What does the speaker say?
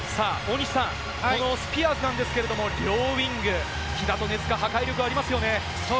大西さん、このスピアーズですけれども、両ウイング、木田と根塚、破壊力がありますよね。